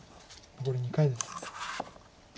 残り２回です。